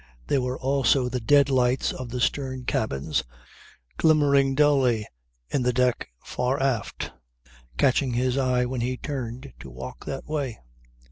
There were also the dead lights of the stern cabins glimmering dully in the deck far aft, catching his eye when he turned to walk that way.